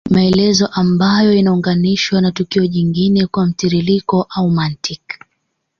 Maelezo ambayo yanaunganishwa na tukio jingine kwa mtiririko au mantiki